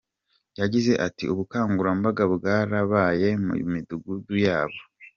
Yagize ati “Ubukangurambaga bwarabaye mu Midugudu yabo.